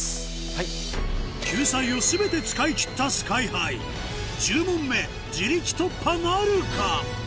救済を全て使い切ったＳＫＹ−ＨＩ１０問目自力突破なるか？